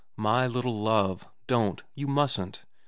' My little Love don't. You mustn't.